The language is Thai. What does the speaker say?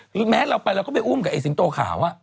แม้เราไปเราก็ไปอุ้มกับไอ้สิงโตขาว